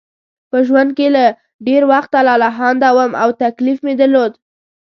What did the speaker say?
په ژوند کې له ډېر وخته لالهانده وم او تکلیف مې درلود.